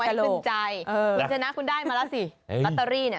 ขึ้นใจคุณชนะคุณได้มาแล้วสิลอตเตอรี่เนี่ย